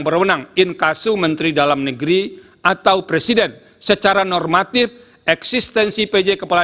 berwenang inkasu menteri dalam negeri atau presiden secara normatif eksistensi pj kepala